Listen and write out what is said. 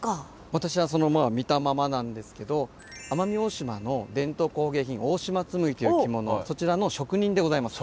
私はその見たままなんですけど奄美大島の伝統工芸品大島紬という着物そちらの職人でございます。